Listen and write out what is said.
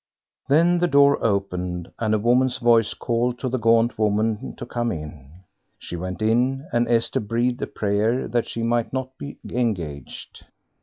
Then the door opened, and a woman's voice called to the gaunt woman to come in. She went in, and Esther breathed a prayer that she might not be engaged.